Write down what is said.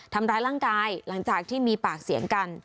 ทำร้ายร่างกายหลังจากที่มีปากเสียงกัน